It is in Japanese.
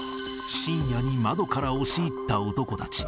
深夜に窓から押し入った男たち。